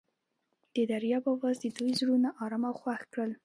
د دریاب اواز د دوی زړونه ارامه او خوښ کړل.